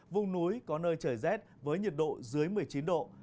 vùng núi có nơi trời rét với nhiệt độ dưới một mươi chín độ